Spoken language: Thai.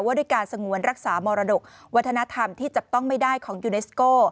ด้วยการสงวนรักษามรดกวัฒนธรรมที่จับต้องไม่ได้ของยูเนสโก้